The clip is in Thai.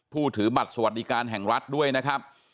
ถือบัตรสวัสดิการแห่งรัฐด้วยนะครับ